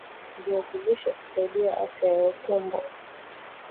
viazi lishe husaidia afya ya utumbo